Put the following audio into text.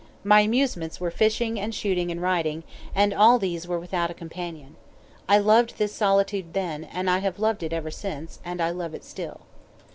"My amusements were fishing and shooting and riding, and all these were without a companion. I loved this solitude then, and have loved it ever since, and love it still."